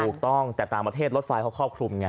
ถูกต้องแต่ต่างประเทศรถไฟเขาครอบคลุมไง